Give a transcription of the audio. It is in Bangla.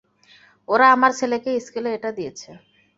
ওরা আমার ছেলেকে স্কুলে এটা দিয়েছে।